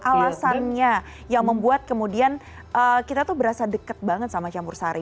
alasannya yang membuat kemudian kita tuh berasa deket banget sama campur sari